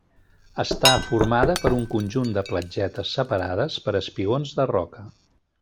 Està formada per un conjunt de platgetes separades per espigons de roca.